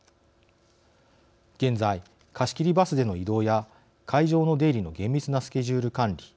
現在、貸し切りバスでの移動や会場の出入りの厳密なスケジュール管理。